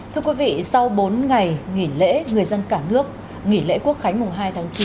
thưa quý vị sau bốn ngày nghỉ lễ người dân cả nước nghỉ lễ quốc khánh mùng hai tháng chín